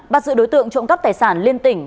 bắt giữ đối tượng trộm cắp tài sản liên tỉnh